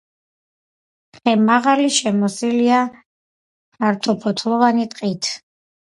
ხემაღალი შემოსილია ფართოფოთლოვანი ტყით.